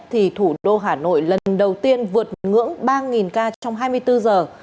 thì thủ đô hà nội lần đầu tiên vượt ngưỡng ba ca trong hai mươi bốn giờ